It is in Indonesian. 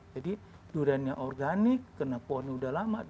jadi duriannya organik karena pohonnya udah lama